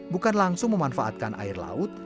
bukan langsung memanfaatkan air laut